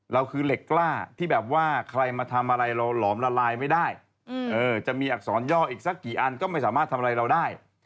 คือเหล็กกล้าที่แบบว่าใครมาทำอะไรเราหลอมละลายไม่ได้จะมีอักษรย่ออีกสักกี่อันก็ไม่สามารถทำอะไรเราได้